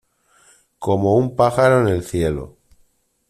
Como un pájaro en el cielo